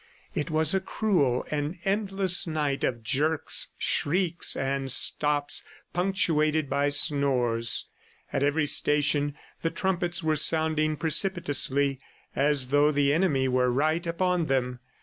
It was a cruel and endless night of jerks, shrieks and stops punctuated by snores. At every station, the trumpets were sounding precipitously as though the enemy were right upon them.